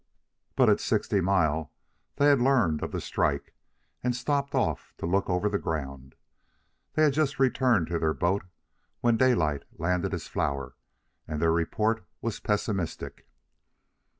But at Sixty Mile they had learned of the strike, and stopped off to look over the ground. They had just returned to their boat when Daylight landed his flour, and their report was pessimistic.